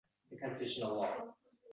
“Kibr” deb atar bu baloni kimdir